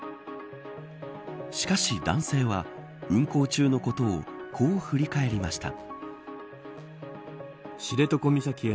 しかし、男性は運航中のことをこう振り返りました。